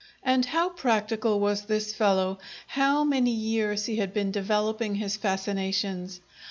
And how practical was this fellow, how many years he had been developing his fascinations!